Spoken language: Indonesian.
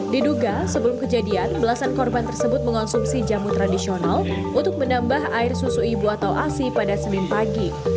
diduga sebelum kejadian belasan korban tersebut mengonsumsi jamu tradisional untuk menambah air susu ibu atau asi pada senin pagi